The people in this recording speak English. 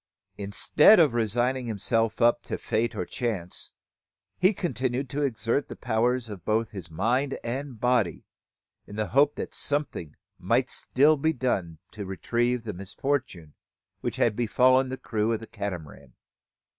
Instead of resigning himself up to fate or chance, he continued to exert the powers both of his mind and body, in the hope that something might still be done to retrieve the misfortune which had befallen the crew of the Catamaran.